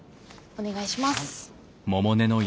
お願いします。